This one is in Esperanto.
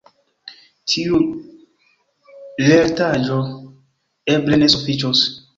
Tiu lertaĵo eble ne sufiĉos.